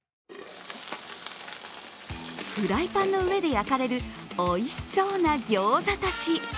フライパンの上で焼かれるおいしそうなギョーザたち。